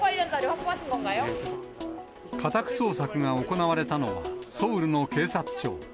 家宅捜索が行われたのは、ソウルの警察庁。